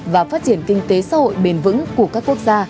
và phát triển kinh tế xã hội bền vững của các quốc gia